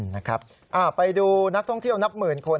นะครับไปดูนักท่องเที่ยวนับหมื่นคน